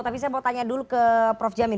tapi saya mau tanya dulu ke prof jamin